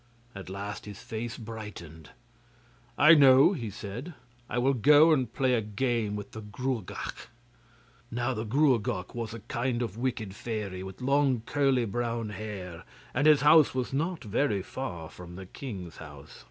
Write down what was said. At last his face brightened. 'I know!' he said. 'I will go and play a game with the Gruagach.' Now the Gruagach was a kind of wicked fairy, with long curly brown hair, and his house was not very far from the king's house.